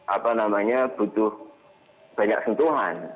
apa namanya butuh banyak sentuhan